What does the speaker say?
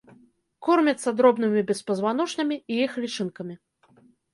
Кормяцца дробнымі беспазваночнымі і іх лічынкамі.